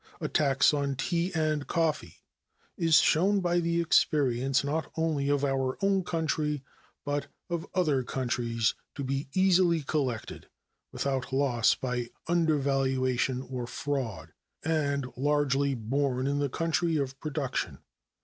A tax on tea and coffee is shown by the experience not only of our own country, but of other countries, to be easily collected, without loss by undervaluation or fraud, and largely borne in the country of production.